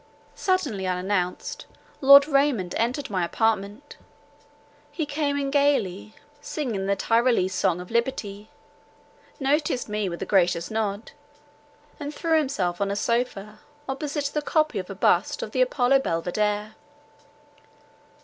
Suddenly, unannounced, Lord Raymond entered my apartment. He came in gaily, singing the Tyrolese song of liberty; noticed me with a gracious nod, and threw himself on a sopha opposite the copy of a bust of the Apollo Belvidere.